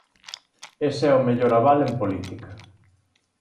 Ese é o mellor aval en política.